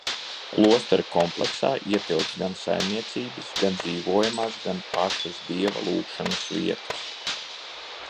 Klostera kompleksā ietilpst gan saimniecības, gan dzīvojamās, gan pašas Dieva lūgšanas vietas.